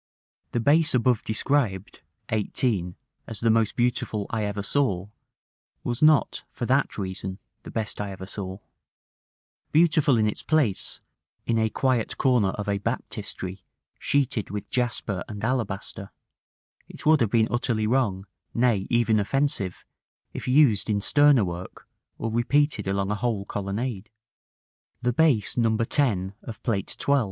The base above described, § XVIII., as the most beautiful I ever saw, was not for that reason the best I ever saw: beautiful in its place, in a quiet corner of a Baptistery sheeted with jasper and alabaster, it would have been utterly wrong, nay, even offensive, if used in sterner work, or repeated along a whole colonnade. The base No. 10 of Plate XII.